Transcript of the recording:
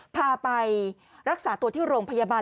พาไปรักษาตัวที่โรงพยาบาล